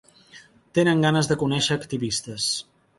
Tenen ganes de conèixer activistes.